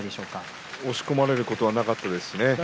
押し込めることはなかったですね。